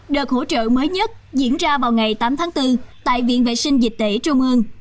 đợt hỗ trợ mới nhất diễn ra vào ngày tám tháng bốn tại viện vệ sinh dịch tễ trung ương